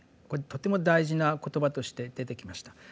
これとても大事な言葉として出てきました。